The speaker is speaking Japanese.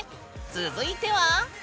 続いては？